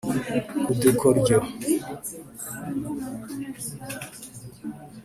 udukoryo